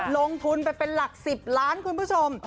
ลงทุนไปเป็นหลัก๑๐ล้านคุณผู้ชม